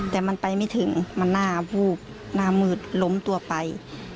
แต่มันไปไม่ถึงมันหน้าวูบหน้ามืดล้มตัวไป